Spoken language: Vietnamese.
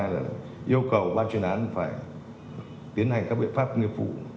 là yêu cầu ban chuyên án phải tiến hành các biện pháp nghiệp vụ